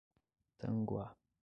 Tanguá